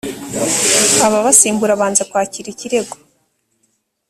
ababasimbura banze kwakira ikirego